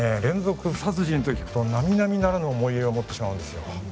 連続殺人と聞くと並々ならぬ思い入れを持ってしまうんですよ